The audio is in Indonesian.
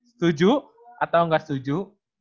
setuju atau gak setuju